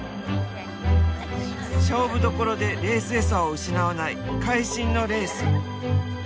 勝負どころで冷静さを失わない会心のレース。